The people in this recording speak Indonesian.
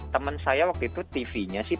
teman saya waktu itu tv nya sih